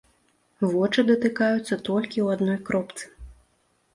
Вочы датыкаюцца толькі ў адной кропцы.